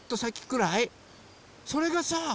それがさ